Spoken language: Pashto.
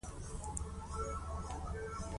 په جریکو کې په اټکلي ډول پنځه سوه کسانو ژوند کاوه.